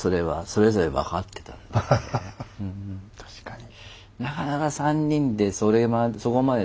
確かに。